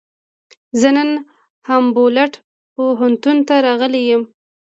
زه نن هامبولټ پوهنتون ته راغلی یم.